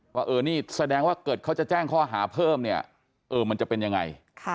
ว่านี่แสดงว่าเกิดเขาจะแจ้งข้อหาเพิ่มมันจะเป็นยังไง